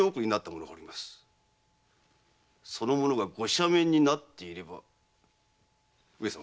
その者がご赦免になっていれば上様